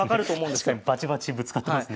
確かにバチバチぶつかってますね。